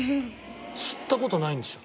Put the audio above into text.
吸った事ないんですよ。